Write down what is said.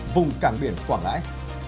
vùng cảng biển quảng lãi